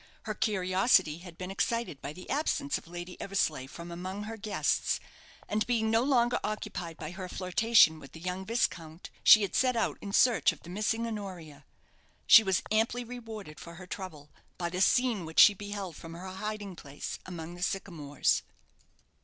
Her curiosity had been excited by the absence of Lady Eversleigh from among her guests, and, being no longer occupied by her flirtation with the young viscount, she had set out in search of the missing Honoria. She was amply rewarded for her trouble by the scene which she beheld from her hiding place among the sycamores.